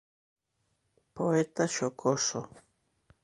Poeta xocoso.